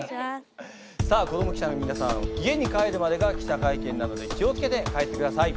さあ子ども記者の皆さん家に帰るまでが記者会見なので気を付けて帰ってください。